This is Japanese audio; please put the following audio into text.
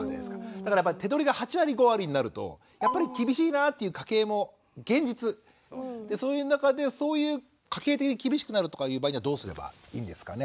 だから手取りが８割５割になるとやっぱり厳しいなという家計も現実そういう中でそういう家計的に厳しくなるとかいう場合にはどうすればいいんですかね？